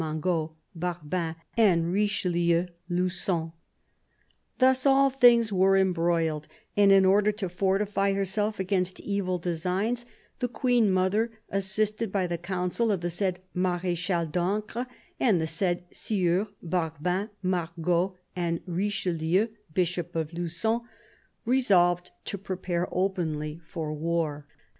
Mangot, Barbin, and Richelieu Lugon). ... Thus all things were embroiled; and in order to fortify herself against evil designs, the Queen mother, assisted by the counsel of the said Marechal d'Ancre and of the said steurs Barbin, Mangot, and Riche lieu, Bishop of Lugon, resolved to prepare openly for war."